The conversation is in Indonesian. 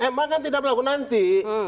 ma kan tidak berlaku nanti